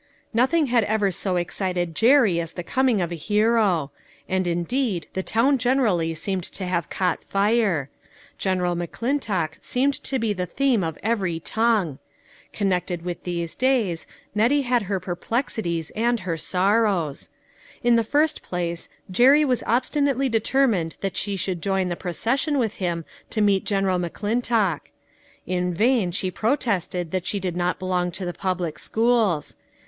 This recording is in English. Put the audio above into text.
Nothing had ever so excited Jerry as the coming of the hero ; and indeed the town gen erally seemed to have caught fire. General McClintock seemed to be the theme of every tongue. Connected with these days, Nettie THE CROWNING WONDER. 411 had her perplexities and her sorrows. In the first place, Jerry was obstinately determined that she should join the procession with him to meet General McClintock. In vain she protested that she did not belong to the public schools.